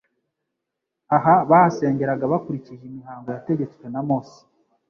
Aha bahasengeraga bakurikije imihango yategetswe na Mose,